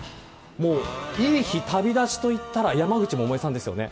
もう、いい日旅立ちといったら山口百恵さんですよね。